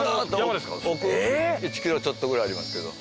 １キロちょっとぐらいありますけど。